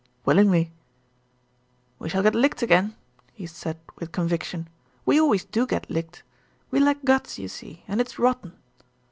"Willingly." "We shall get licked again," he said with conviction. "We always do get licked. We lack guts, you see, and it's rotten."